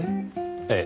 ええ。